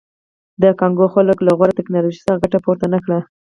د کانګو خلکو له غوره ټکنالوژۍ څخه ګټه پورته نه کړه.